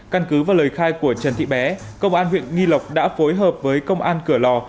căn cứ và lời khai của trần thị bé công an huyện nghi lộc đã phối hợp với công an cửa lò